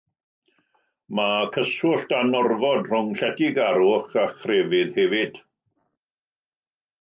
Mae cyswllt anorfod rhwng lletygarwch a chrefydd hefyd.